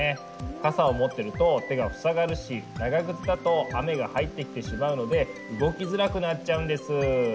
傘を持ってると手が塞がるし長靴だと雨が入ってきてしまうので動きづらくなっちゃうんです。